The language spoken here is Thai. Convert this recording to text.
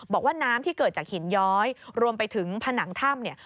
บอกว่าน้ำที่เกิดจากหินย้อยรวมไปถึงผนังถ้ำเนี่ย